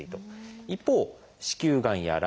一方子宮がんや卵巣がん。